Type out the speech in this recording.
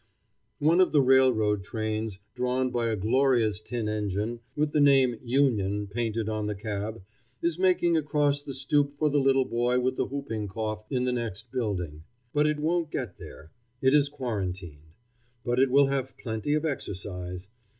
One of the railroad trains, drawn by a glorious tin engine, with the name "Union" painted on the cab, is making across the stoop for the little boy with the whooping cough in the next building. But it won't get there; it is quarantined. But it will have plenty of exercise.